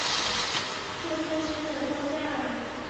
就开始等放假啦